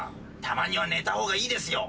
たまには寝た方がいいですよ。